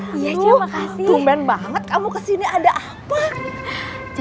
bumen banget kamu kesini ada apa